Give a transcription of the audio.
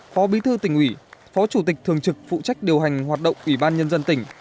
phó bí thư tỉnh ủy phó chủ tịch thường trực phụ trách điều hành hoạt động ủy ban nhân dân tỉnh